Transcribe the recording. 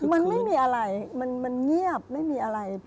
มันไม่มีอะไรมันเงียบไม่มีอะไร